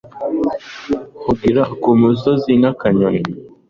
Hungira ku musozi nk’akanyoni